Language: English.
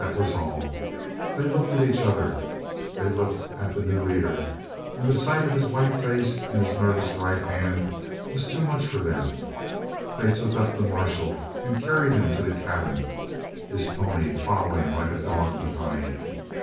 That was all. They looked at each other; they looked at the new leader. And the sight of his white face and his nervous right hand was too much for them. They took up the marshal and carried him to the cabin, his pony following like a dog behind.